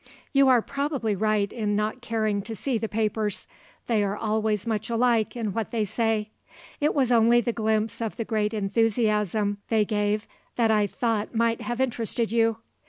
You are probably right in not caring to see the papers; they are always much alike in what they say. It was only the glimpse of the great enthusiasm they gave that I thought might have interested you.